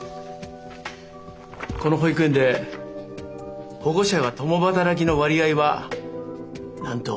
この保育園で保護者が共働きの割合はなんと９７％。